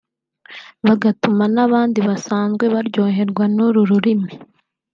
bagatuma n’abandi basanzwe baryoherwa n’uru rurimi